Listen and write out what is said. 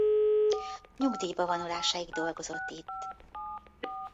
Nyugdíjba vonulásáig dolgozott itt.